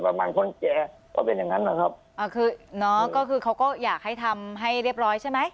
คนแก่ก็เป็นอย่างนั้นนะครับอ่าคือเนาะก็คือเขาก็อยากให้ทำให้เรียบร้อยใช่ไหม